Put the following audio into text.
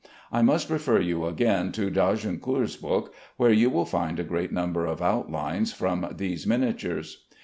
I must refer you again to d'Agincourt's book, where you will find a great number of outlines from these miniatures.